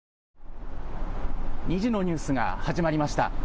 ２時のニュースが始まりました。